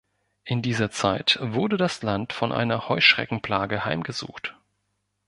In dieser Zeit wurde das Land von einer Heuschreckenplage heimgesucht.